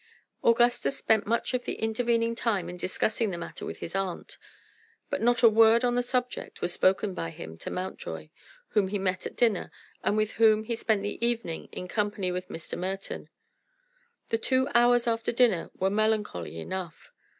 Augustus spent much of the intervening time in discussing the matter with his aunt. But not a word on the subject was spoken by him to Mountjoy, whom he met at dinner, and with whom he spent the evening in company with Mr. Merton. The two hours after dinner were melancholy enough.